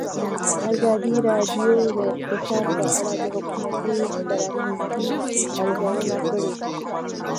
ازادي راډیو د اقتصاد په اړه د حکومتي ستراتیژۍ ارزونه کړې.